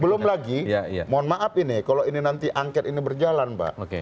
belum lagi mohon maaf ini kalau ini nanti angket ini berjalan pak